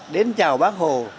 đến chào bác hồ